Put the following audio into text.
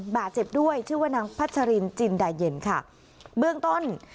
บาดเจ็บด้วยชื่อว่านางพัชรินจินดาเย็นค่ะเบื้องต้น